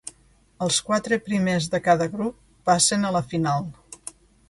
Els quatre primers de cada grup passen a la final.